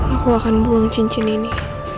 aku akan buang cincin ini